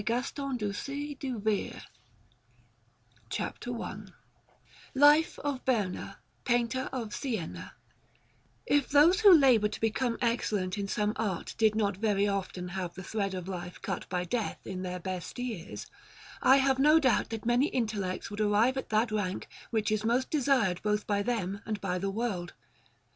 Asciano: Church of S. Francesco) Burton] LIFE OF BERNA PAINTER OF SIENA If those who labour to become excellent in some art did not very often have the thread of life cut by death in their best years, I have no doubt that many intellects would arrive at that rank which is most desired both by them and by the world.